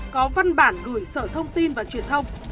có văn bản gửi sở thông tin và truyền thông